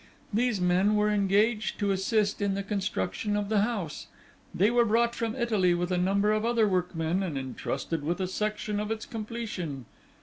These men were engaged to assist in the construction of the house, they were brought from Italy with a number of other workmen, and entrusted with a section of its completion.